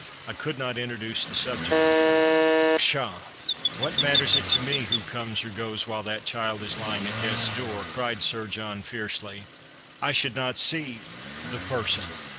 I could not introduce the subject "" Pshaw ! what matters it to me who comes or goes while that child is lying at death's door ?" cried Sir John, fiercely. " I should not see — the person.